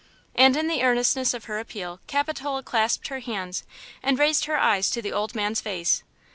And in the earnestness of her appeal Capitola clasped her hands and raised her eyes to the old man's face.